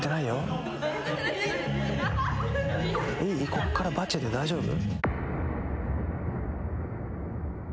こっからバチェで大丈夫？